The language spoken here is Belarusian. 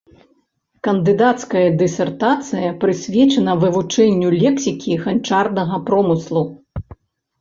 Кандыдацкая дысертацыя прысвечана вывучэнню лексікі ганчарнага промыслу.